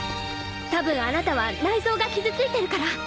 たぶんあなたは内臓が傷ついてるから。